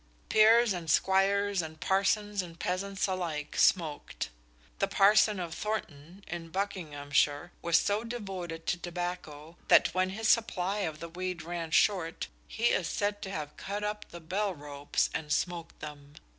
Peers and squires and parsons and peasants alike smoked. The parson of Thornton, in Buckinghamshire, was so devoted to tobacco that when his supply of the weed ran short, he is said to have cut up the bell ropes and smoked them!